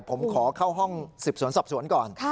ผมขอเข้าห้อง๑๐ศพตก่อน